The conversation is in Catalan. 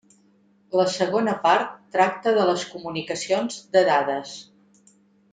La segona part tracta les comunicacions de dades.